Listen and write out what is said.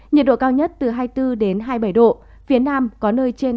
nhiệt độ cao nhất từ hai mươi bốn đến hai mươi bảy độ phía nam có nơi trên hai mươi tám độ